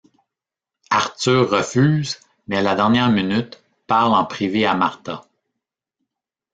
Arthur refuse, mais à la dernière minute, parle en privé à Martha.